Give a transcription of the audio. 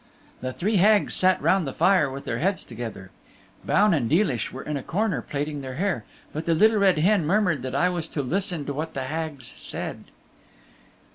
The three Hags sat round the fire with their heads together. Baun and Deelish were in a corner plaiting their hair, but the Little Red Hen murmured that I was to listen to what the Hags said.